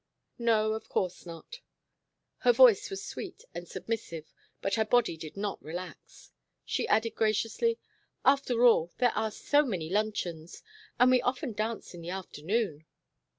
"No, of course not." Her voice was sweet and submissive, but her body did not relax. She added graciously: "After all, there are so many luncheons, and we often dance in the afternoon."